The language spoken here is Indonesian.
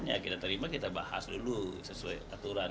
ya kita terima kita bahas dulu sesuai aturan